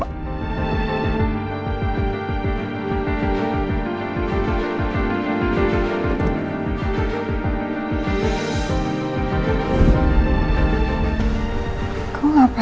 makanya nunggu pukul